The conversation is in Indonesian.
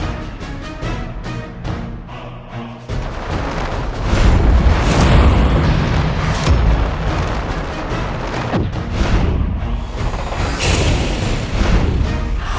aku sudah kesudah membacakannya